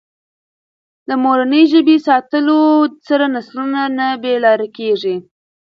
د مورنۍ ژبه ساتلو سره نسلونه نه بې لارې کېږي.